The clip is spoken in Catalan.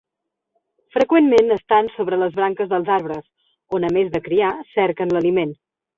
Freqüentment estan sobre les branques dels arbres, on a més de criar, cerquen l'aliment.